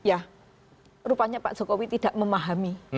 ya rupanya pak jokowi tidak memahami